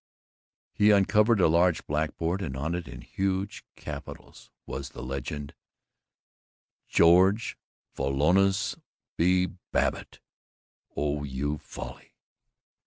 He uncovered a large blackboard and on it, in huge capitals, was the legend: George Follansbee Babbitt oh you Folly!